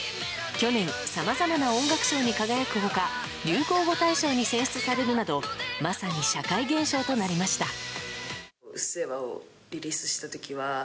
去年、さまざまな音楽賞に輝く他流行語大賞に選出されるなどまさに社会現象となりました。